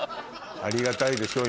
ありがたいでしょ